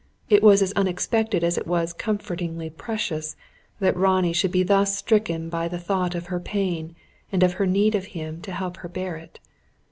It was as unexpected as it was comfortingly precious, that Ronnie should be thus stricken by the thought of her pain, and of her need of him to help her bear it.